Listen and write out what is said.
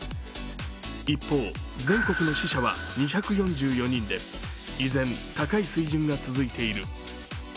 一方、全国の死者は２４４人で依然、高い水準が続いている。